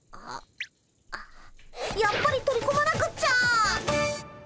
やっぱり取り込まなくっちゃ！